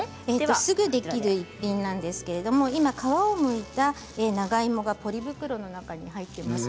すぐにできる１品なんですけど皮をむいた長芋はポリ袋の中に入っています。